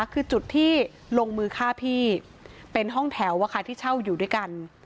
คือจุดที่ลงมือฆ่าพี่เป็นห้องแถวที่เช่าอยู่ด้วยกัน